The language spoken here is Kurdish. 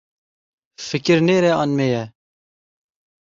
Fikir nêr e an mê ye?